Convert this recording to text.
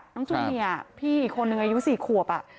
จูเนียพี่อีกคนนึงอายุ๔ขวบ